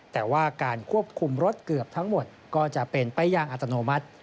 แต่ว่าการควบคุมรถเกือบทั้งหมดก็จะเป็นไปอย่างอัตโนมัติ